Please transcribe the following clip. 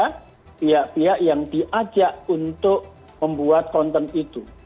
ada pihak pihak yang diajak untuk membuat konten itu